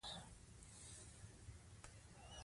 فشار ځينې عوارض لکه سر درد او ساه بندي راوړي.